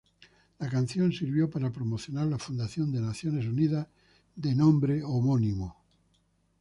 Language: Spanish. La canción sirvió para promocionar la Fundación de Naciones Unidas de nombre homónimo.